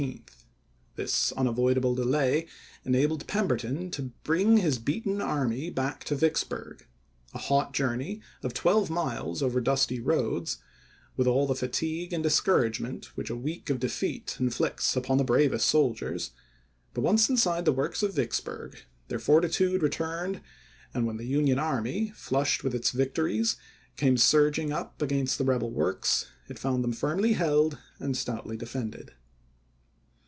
May, i863. This unavoidable delay enabled Pemberton to bring his beaten army back to Vicksburg, a hot journey of twelve miles over dusty roads, with all the fatigue and discouragement which a week of defeat inflicts upon the bravest soldiers ; but, once inside the works of Vicksburg, their fortitude re turned, and when the Union army, flushed with its victories, came surging up against the rebel works it found them firmly held and stoutly defended.